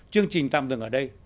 chương trình tạm dừng ở đây